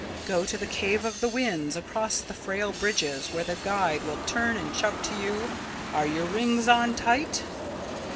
Go to the Cave of the Winds, across the frail bridges, where the guide will turn and shout to you: 'Are your rings on tight?'